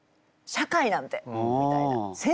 先生なんてみたいな。